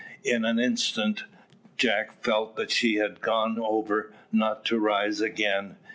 In an instant Jack felt that she had gone over not to rise again.